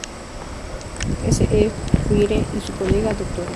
S. E. Freire, y su colega Dra.